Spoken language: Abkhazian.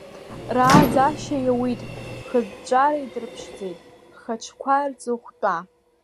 Рааӡашьа иауит хьыҵәҵәара, идырԥшӡеит ҳхаҿқәа рҵыхәтәа.